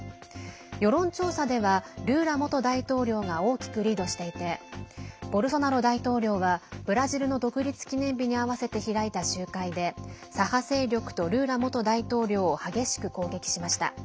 世論調査ではルーラ元大統領が大きくリードしていてボルソナロ大統領がブラジルの独立記念日に合わせて開いた集会で左派勢力とルーラ元大統領を激しく攻撃しました。